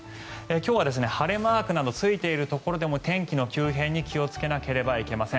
今日は晴れマークなどついているところでも天気の急変に気をつけなければなりません。